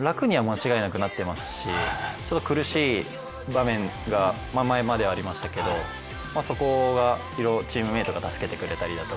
楽には間違いなくなっていますし、苦しい場面が前までありましたけど、そこはチームメートが助けてくれたりだとか